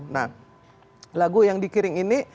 nah lagu yang dikiring ini